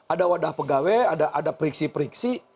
ada wadah pegawai ada periksi periksi